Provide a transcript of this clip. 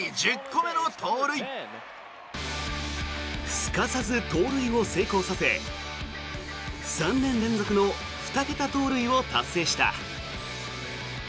すかさず盗塁を成功させ３年連続の２桁盗塁を達成した。